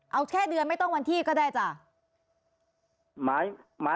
เอาแค่เดือนไม่ต้องวันที่ก็ได้จ้ะ